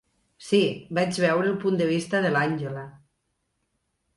Sí, vaig veure el punt de vista de l'Àngela.